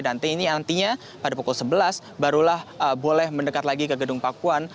dan ini nantinya pada pukul sebelas barulah boleh mendekat lagi ke gedung pakuan